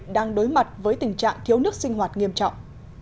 đang đối mặt với tình trạng thiếu nước sinh hoạt nghiêm trọng